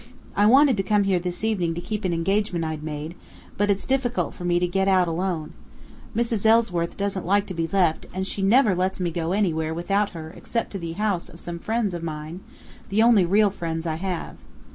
I wanted to come here this evening to keep an engagement I'd made, but it's difficult for me to get out alone. Mrs. Ellsworth doesn't like to be left, and she never lets me go anywhere without her except to the house of some friends of mine, the only real friends I have.